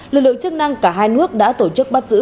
lực lượng chức năng cả hai nước đã tổ chức bắt giữ